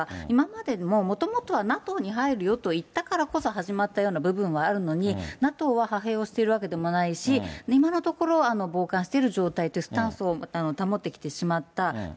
今までも、もともとはＮＡＴＯに入るよと言ったからこそ始まったような部分はあるのに、ＮＡＴＯは派兵をしているわけでもないし、今のところ、傍観している状態というスタンスを保ってきてしまった。